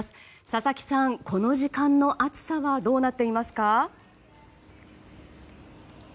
佐々木さん、この時間の暑さがどうなっていますか？